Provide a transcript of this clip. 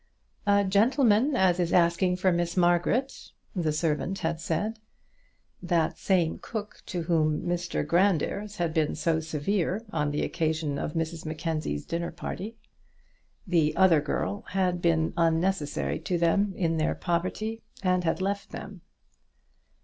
"A gentleman as is asking for Miss Margaret," the servant had said; that same cook to whom Mr Grandairs had been so severe on the occasion of Mrs Mackenzie's dinner party. The other girl had been unnecessary to them in their poverty, and had left them.